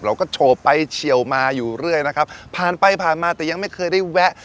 โชว์ไปเฉียวมาอยู่เรื่อยนะครับผ่านไปผ่านมาแต่ยังไม่เคยได้แวะ